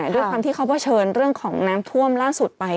ด้วยความที่เขาเผชิญเรื่องของน้ำท่วมล่าสุดไป